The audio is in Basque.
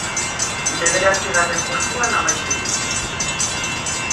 Bederatzigarren postuan amaitu du.